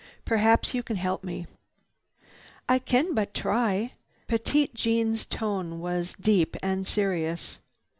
"Perhaps you can help me." "I can but try," Petite Jeanne's tone was deep and serious.